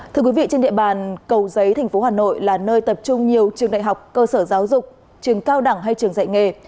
thưa quý vị trên địa bàn cầu giấy thành phố hà nội là nơi tập trung nhiều trường đại học cơ sở giáo dục trường cao đẳng hay trường dạy nghề